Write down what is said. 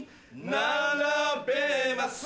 並べます